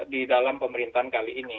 di dalam pemerintahan kali ini